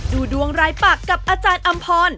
ดูดวงรายปากกับอาจารย์อำพร